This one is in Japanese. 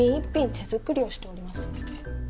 手作りをしております。